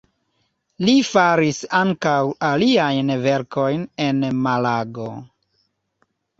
Li faris ankaŭ aliajn verkojn en Malago.